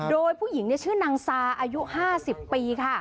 โดยผู้หญิงชื่อนางซาอายุ๕๐ปีค่ะ